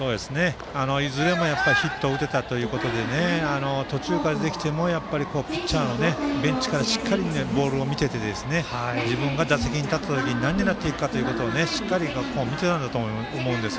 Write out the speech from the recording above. いずれもヒットを打てたということで途中から出てきてもピッチャーのベンチからしっかりボールを見ていて自分が打席に立った時に何をしていくかをしっかり見ていたんだと思います。